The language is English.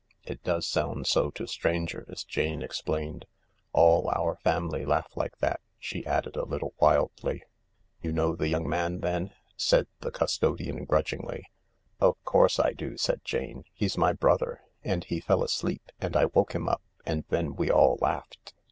"It does sound so to strangers," Jane explained; "all our family laugh like that," she added a little wildly. " You know the young man then ?" said the custodian grudgingly. " Of course I do," said Jane. " He's my brother, and he fell asleep and I woke him up and then we all laughed.